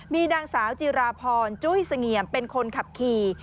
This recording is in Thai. มีนางสาวจิราพรจุ้ยเสงี่ยมเป็นคนขับขี่